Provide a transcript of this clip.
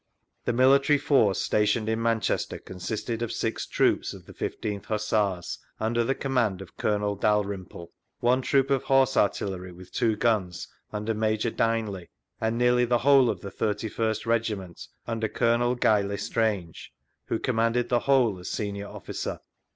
The military force stationed in Manchester consisted of six troops of the 15th Hussars, under the command of Colonel Dalrymple; one troop of Horse Artillery with two guns, under Major Dyneley ; and nearly the whole of the 31st Regiment, under Colonel Guy L'Es trange (who commanded the whole as senior officer).